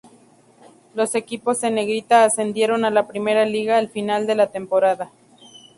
Los equipos en negrita ascendieron a la Primera Liga al final de la temporada.